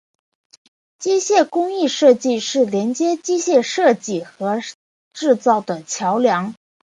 机械工艺设计是连接机械设计和制造的桥梁。